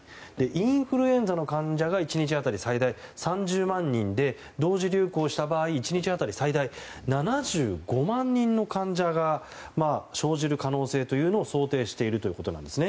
インフルエンザの患者が１日当たり最大３０万人で同時流行した場合１日当たり最大７５万人の患者が生じる可能性というのを想定しているということです。